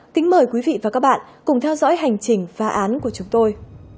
kính mời quý vị và các bạn cùng theo dõi hành trình phá án của chúng tôi